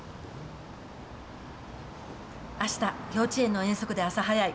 あした、幼稚園の遠足で朝早い。